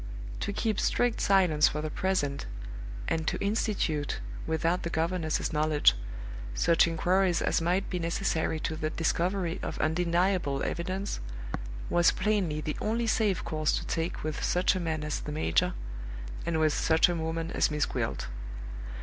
To keep strict silence for the present, and to institute (without the governess's knowledge) such inquiries as might be necessary to the discovery of undeniable evidence, was plainly the only safe course to take with such a man as the major, and with such a woman as Miss Gwilt.